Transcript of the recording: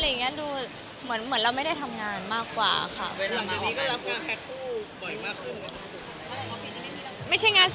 เวลาออกแล้วกันมันมีเกร็งมันก็มันต้องมีสีหวาน